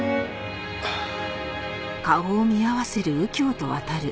ああ。